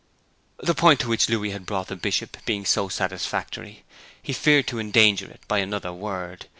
The point to which Louis had brought the Bishop being so satisfactory, he feared to endanger it by another word.